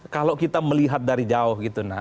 kalau kita melihat dari jauh gitu